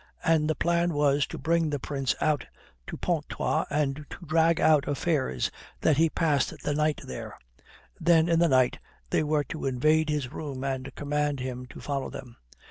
And the plan was to bring the Prince out to Pontoise and so drag out affairs that he passed the night there. Then in the night they were to invade his room and command him to follow them.